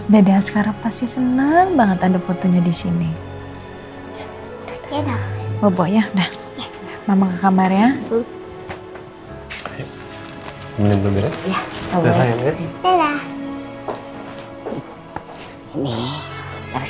dede sekarang pasti senang banget ada fotonya di sini bobo ya udah mama ke kamarnya